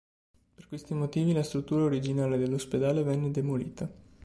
Per questi motivi, la struttura originale dell'ospedale venne demolita.